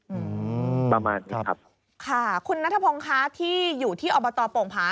อืมประมาณนี้ครับค่ะคุณนัทพงศ์ค่ะที่อยู่ที่อบตโป่งผา